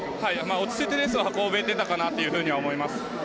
落ち着いてレースは運べていたかなとは思います。